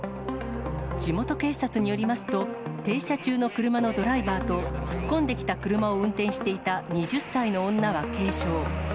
地元警察によりますと、停車中の車のドライバーと突っ込んできた車を運転していた２０歳の女は軽傷。